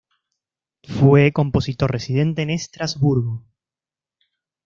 Fue compositor residente en Estrasburgo.